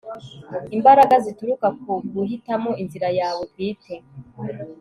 imbaraga zituruka ku guhitamo inzira yawe bwite